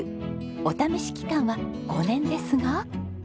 お試し期間は５年ですが。